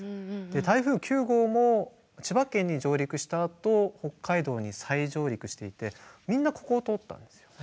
台風９号も千葉県に上陸したあと北海道に再上陸していてみんなここを通ったんですよね。